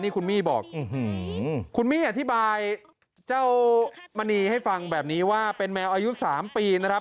คุณมี่อยากอธิบายมันนีให้ฟังแบบนี้ว่าเป็นแมวอายุสามปีนะครับ